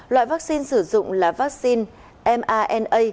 loại vaccine sử dụng là vaccine mrna